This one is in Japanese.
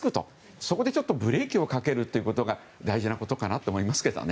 そこでちょっとブレーキをかけることが大事なことかなと思いますけどね。